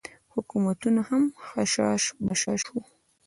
حکومتونه هم خشاش بشاش وو.